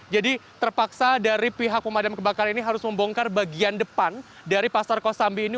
jadi terpaksa dari pihak pemadam kebakaran ini harus membongkar bagian depan dari pasar kosambi ini